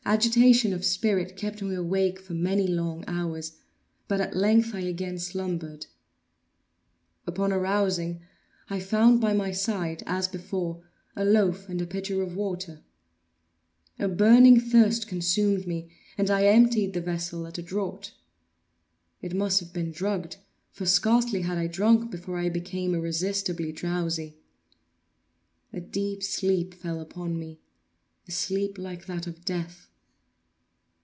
Agitation of spirit kept me awake for many long hours, but at length I again slumbered. Upon arousing, I found by my side, as before, a loaf and a pitcher of water. A burning thirst consumed me, and I emptied the vessel at a draught. It must have been drugged—for scarcely had I drunk, before I became irresistibly drowsy. A deep sleep fell upon me—a sleep like that of death.